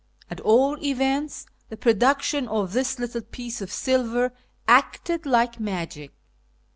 At all events, the production of this little piece of silver acted like magic.